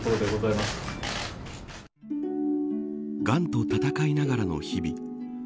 がんと闘いながらの日々。